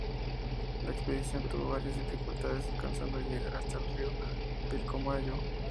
La expedición tuvo varias dificultades, alcanzando a llegar hasta el río Pilcomayo.